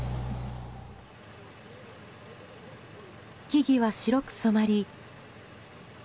木々は白く染まり。